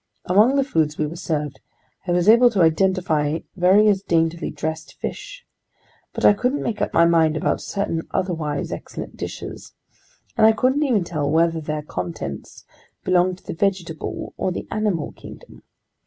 Among the foods we were served, I was able to identify various daintily dressed fish; but I couldn't make up my mind about certain otherwise excellent dishes, and I couldn't even tell whether their contents belonged to the vegetable or the animal kingdom.